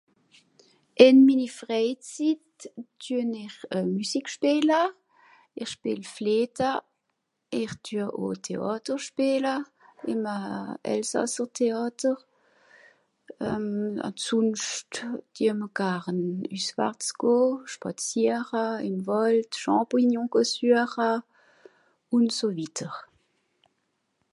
ìn minni freizit dueun ir musique schpeele ir schpeel flete ir dueu euj théàter schpeele ìm a elsasser théàter euh a sonscht geh mr garn üss .... spàziere ìm wàld champignons gesueche ùn so wieder